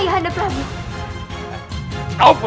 ayah anda peramu dessas tuhan